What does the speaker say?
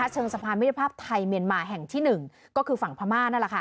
เชิงสัมพันธ์มิดภาพไทยเมียนมาแห่งที่๑ก็คือฝั่งพม่า